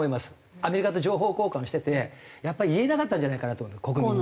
アメリカと情報交換をしててやっぱり言えなかったんじゃないかなと国民に。